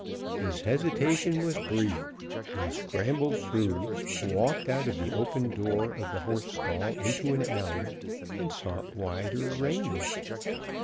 His hesitation was brief; he scrambled through, walked out of the open door of the horse stall into an alley, and sought wider range.